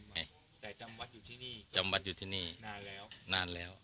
แต่จำวัดอยู่ที่นี่นานแล้ว